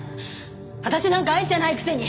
私なんか愛してないくせに！